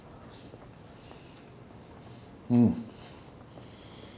うん。